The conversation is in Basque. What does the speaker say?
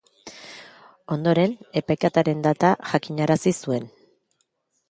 Ondoren, epaiketaren data jakinarazi zuen.